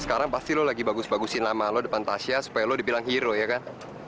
sekarang pasti lu lagi bagus bagusin nama lu depan tasya supaya lu dibilang hero ya kan